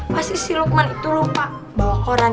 pasti si lukman itu lupa bawa koran